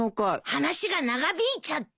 話が長引いちゃって。